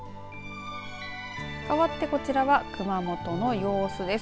かわってこちらは熊本の様子です。